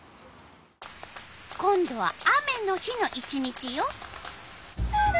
今度は雨の日の１日よ。